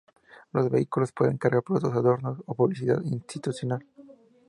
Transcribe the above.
Los vehículos pueden cargar productos, adornos, o publicidad institucional.